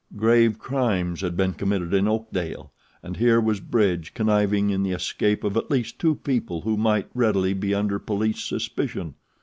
Grave crimes had been committed in Oakdale, and here was Bridge conniving in the escape of at least two people who might readily be under police suspicion.